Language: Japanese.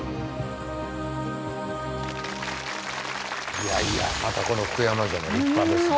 いやいやまたこの福山城も立派ですね。